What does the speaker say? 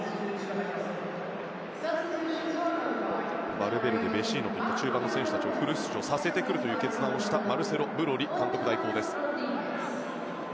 バルベルデ、ベシーノといった中盤の選手をフル出場させるという決断をしたマルセロ・ブロリ監督代行です。